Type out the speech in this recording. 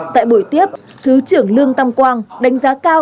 tại buổi tiếp thứ trưởng lương tam quang đánh giá cao